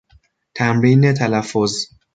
تمرین تلفظ